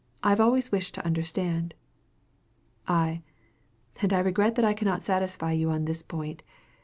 I have always wished to understand. I. And I regret that I cannot satisfy you on this point.